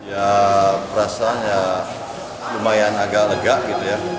ya perasaan ya lumayan agak lega gitu ya